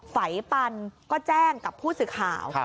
ไฟปันก็แจ้งกับผู้สื่อข่าว